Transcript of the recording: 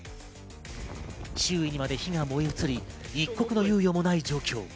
周囲にまで火が燃え移り、一刻の猶予もない状況。